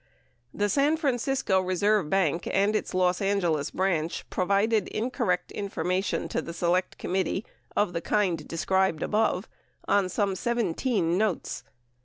The San Francisco Reserve Bank and its Los Angeles branch provided incorrect information to the Select Committee of the, kind described above on some 17 notes.